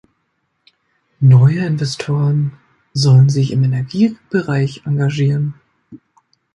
Neue Investoren sollen sich im Energiebereich engagieren.